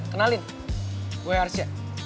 kenalin gue arsya